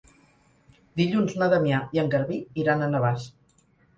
Dilluns na Damià i en Garbí iran a Navàs.